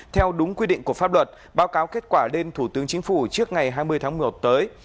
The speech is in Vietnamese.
theo đúng quy định của pháp luật báo cáo kết quả lên thủ tướng chính phủ trước ngày hai mươi tháng một mươi một tới